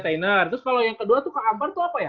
terus kalau yang kedua tuh ke kamar tuh apa ya